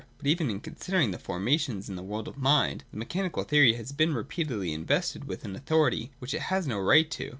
But even in considering the formations in the world of Mind, the mechanical theory has been re peatedly invested with an authority which it has no right to.